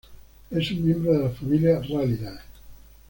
Es un miembro de la familia Rallidae.